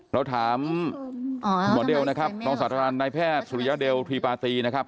แล้วถามหมอเด้วนะครับนองสาธารณนายแพทย์สุริยเด้วพรีปาศีนะครับ